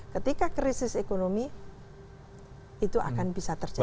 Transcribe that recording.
ketika krisis ekonomi itu akan bisa terjadi